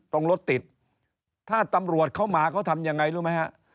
รถติดถ้าตำรวจเข้ามาเขาทำยังไงรู้ไหมฮะ